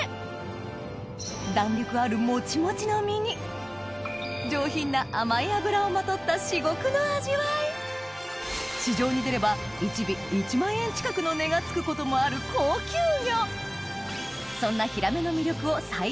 弾力あるもちもちの身に上品な甘い脂をまとった至極の味わい市場に出ればの値が付くこともある高級魚そんな